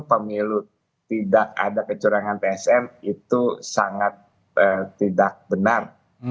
pemilu tidak ada kecurangan psm itu sangat tidak benar